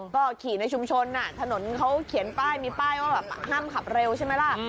ก็ขี่ในชุมชนถนนเขาเขียนป้ายมีป้ายว่าแบบห้ามขับเร็วใช่ไหมล่ะ